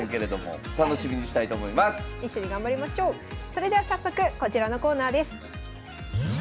それでは早速こちらのコーナーです。